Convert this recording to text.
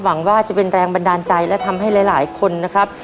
หวังว่าจะเป็นแรงบันดาลใจและทำให้หลายคนนะครับ